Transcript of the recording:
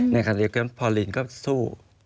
ในฐาลิกริมพอลินก็สู้